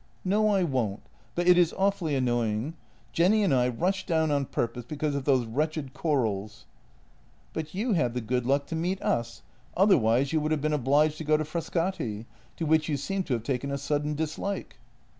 " No, I won't, but it is awfully annoying. Jenny and I rushed down on purpose because of those wretched corals." " But you had the good luck to meet us, otherwise you would have been obliged to go to Frascati, to which you seem to have taken a sudden dislike."